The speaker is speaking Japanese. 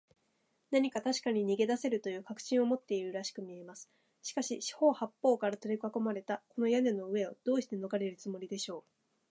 何かたしかに逃げだせるという確信を持っているらしくみえます。しかし、四ほう八ぽうからとりかこまれた、この屋根の上を、どうしてのがれるつもりでしょう。